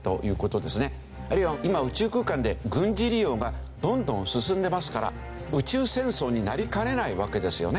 あるいは今宇宙空間で軍事利用がどんどん進んでますから宇宙戦争になりかねないわけですよね。